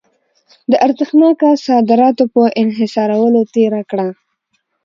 د ارزښتناکه صادراتو په انحصارولو تېره کړه.